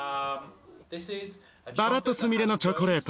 ばらとすみれのチョコレート。